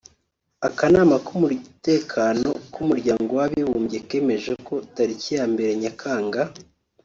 Akanama k’umutekano k’umuryango w’abibumbye kemeje ko tariki ya mbere Nyakanga